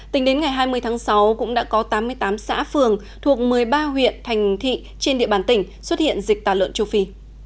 tính đến ngày hai mươi tháng sáu cũng đã có tám mươi tám xã phường thuộc một mươi ba huyện thành thị trên địa bàn tỉnh xuất hiện dịch tà lợn châu phi